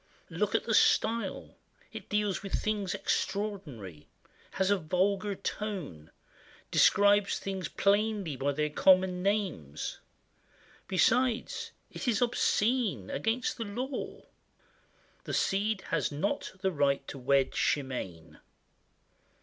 Look at the style! It deals with things Extraordinary; has a vulgar tone; Describes things plainly by their common names; Besides, it is obscene, against the law! "The Cid" has not the right to wed Chimène!